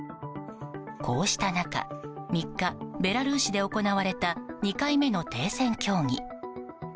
こうした中、３日ベラルーシで行われた２回目の停戦協議。